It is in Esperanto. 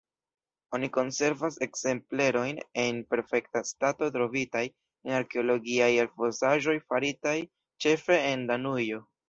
Oni konservas ekzemplerojn en perfekta stato trovitaj en arkeologiaj elfosaĵoj faritaj ĉefe en Danujo.